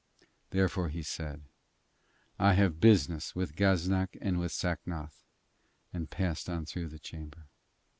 Therefore he said: 'I have a business with Gaznak and with Sacnoth,' and passed on through the chamber.